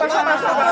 mas idan masuk